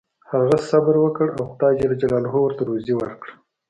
هغه صبر وکړ او خدای ورته روزي ورکړه.